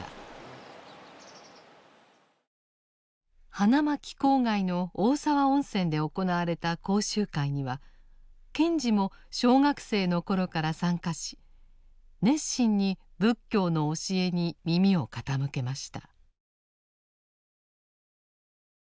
花巻郊外の大沢温泉で行われた講習会には賢治も小学生の頃から参加し熱心に仏教の教えに耳を傾けました。